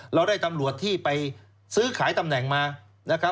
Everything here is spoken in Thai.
เราได้ธำรวจที่ไปซื้อขายตำแหน่งมา